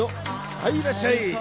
はいいらっしゃい。